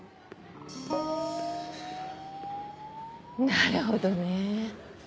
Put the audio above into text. なるほどね。